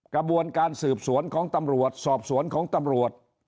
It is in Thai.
กระบวนการสืบสวนของตำรวจสอบสวนของตำรวจ